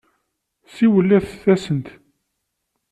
Siwlet-asent.